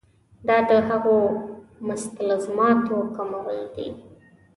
دا د هغو مستلزماتو کمول دي.